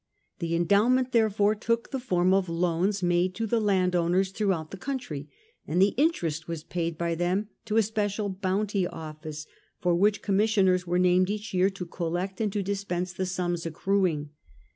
The endowment therefore took the form of loans made to the landowners through out the country, and the interest was paid by them to a special Bounty Office, for which commissioners were named each year to collect and to dispense the sums accruing.